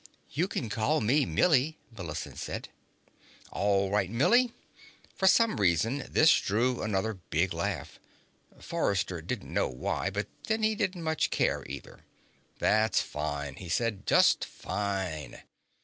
"You can call me Millie," Millicent said. "All right, Millie." For some reason this drew another big laugh. Forrester didn't know why, but then, he didn't much care, either. "That's fine," he said. "Just fine."